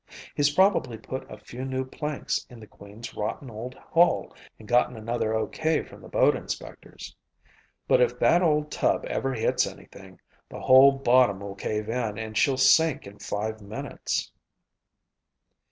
"He's probably put a few new planks in the Queen's rotten old hull and gotten another O. K. from the boat inspectors. But if that old tub ever hits anything, the whole bottom will cave in and she'll sink in five minutes."